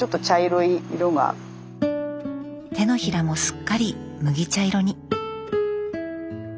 手のひらもすっかり麦茶色に。